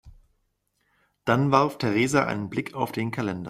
Dann warf Theresa einen Blick auf den Kalender.